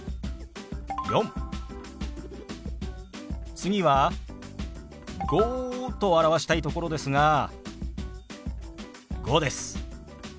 次は「５」と表したいところですが「５」です。